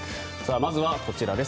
まずはこちらです。